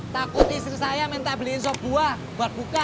takut istri saya minta beliin sop buah buat buka